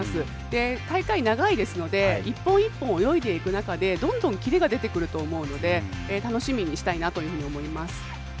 で大会長いですので一本一本泳いでいく中でどんどんキレが出てくると思うので楽しみにしたいなというふうに思います。